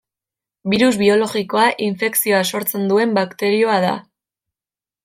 Birus biologikoa infekzioa sortzen duen bakterioa da.